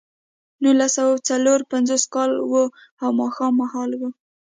نولس سوه څلور پنځوس کال و او ماښام مهال و